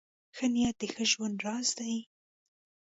ښه نیت د ښه ژوند راز دی .